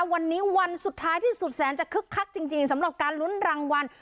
วันนี้วันสุดท้ายที่สุดแสนจะคึกคักจริงสำหรับการลุ้นรางวัล